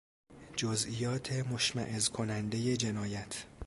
جزئیات مشمئز کنندهی جنایت